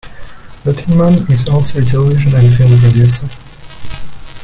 Letterman is also a television and film producer.